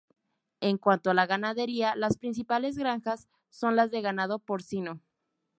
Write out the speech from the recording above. En cuanto a la ganadería, las principales granjas son las de ganado porcino.